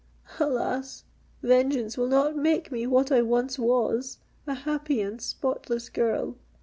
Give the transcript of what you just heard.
"Alas! vengeance will not make me what I once was—a happy and spotless girl!"